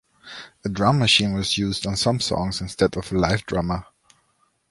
A drum machine was used on some songs instead of a live drummer.